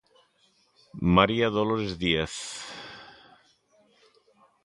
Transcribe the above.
María Dolores Díaz.